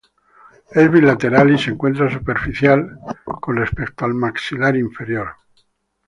Es bilateral y se encuentra superficial con respecto al maxilar inferior.